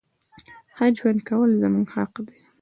ښه ژوند کول زمونږ حق ده.